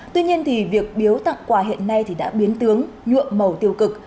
tuy nhiên việc biếu tặng quà hiện nay đã biến tướng nhuộm màu tiêu cực